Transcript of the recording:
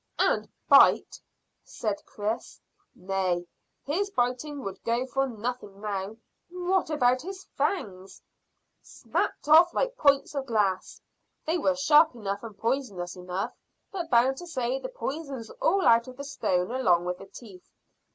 "And bite," said Chris. "Nay; his biting would go for nothing now." "What about his fangs?" "Snapped off like points of glass. They were sharp enough and poisonous enough, but bound to say the poison's all out on the stone, along with the teeth.